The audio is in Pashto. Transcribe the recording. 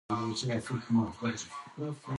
نه یې زده کړل له تاریخ څخه پندونه